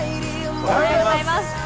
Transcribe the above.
おはようございます。